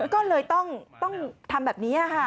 ก็เลยต้องทำแบบนี้ค่ะ